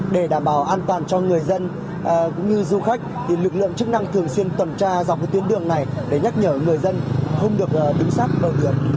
để đảm bảo an toàn cho người dân cũng như du khách lực lượng chức năng thường xuyên tuần tra dọc tuyến đường này để nhắc nhở người dân không được đứng sát bờ đường